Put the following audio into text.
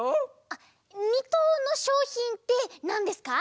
あっ２とうのしょうひんってなんですか？